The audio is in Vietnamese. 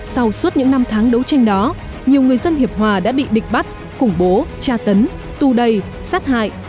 sau suốt những năm tháng đấu tranh đó nhiều người dân hiệp hòa đã bị địch bắt khủng bố tra tấn tu đầy sát hại